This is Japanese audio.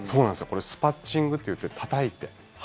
これ、スパッチングっていってたたいて。